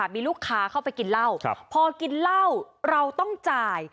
มีลูกค้าเข้าไปกินเหล้าพอกินเหล้าเราต้องจ่าย